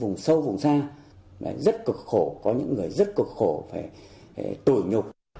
vùng sâu vùng xa rất cực khổ có những người rất cực khổ phải tuổi nhục